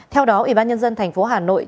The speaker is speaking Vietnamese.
theo đó ủy ban nhân dân thành phố hà nội